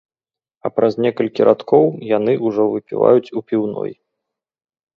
А праз некалькі радкоў яны ўжо выпіваюць у піўной.